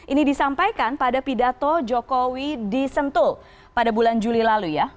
ini disampaikan pada pidato jokowi di sentul pada bulan juli lalu ya